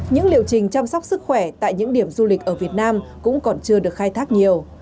những liệu trình chăm sóc sức khỏe tại những điểm du lịch ở việt nam cũng còn chưa được khai thác nhiều